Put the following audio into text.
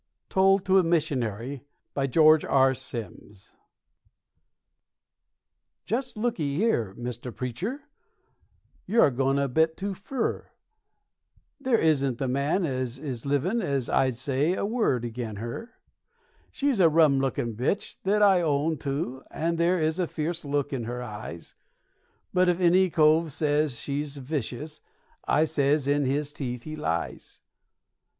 _ TOLD TO THE MISSIONARY Just look 'ee here, Mr. Preacher, you're a goin' a bit too fur; There isn't the man as is livin' as I'd let say a word agen her. She's a rum lookin' bitch, that I own to, and there is a fierce look in her eyes, But if any cove says as she's vicious, I sez in his teeth he lies.